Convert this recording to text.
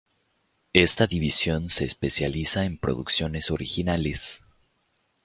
Esta division se especializa en producciones originales.